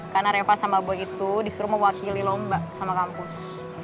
karena reva sama boy itu disuruh mewakili lomba sama kampus